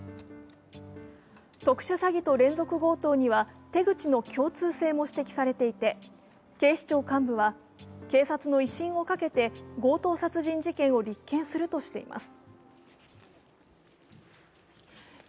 特殊詐欺と連続強盗には手口の共通性も指摘されていて警視庁幹部は、警察の威信をかけて強盗傷害事件を立件するとしています。